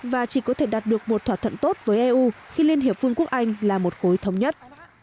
và chỉ có thể đạt được một thỏa thuận tốt với eu khi liên hiệp vương quốc anh là một khối thống nhất